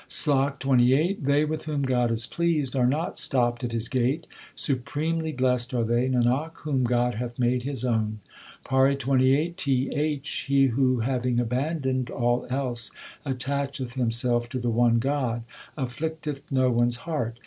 SLOK XXVIII They with whom God is pleased are not stopped at His gate ; Supremely blest are they, Nanak, whom God hath made His own. PAURI XXVIII T H. He who having abandoned all else attacheth him self to the one God, Afflict eth no one s heart.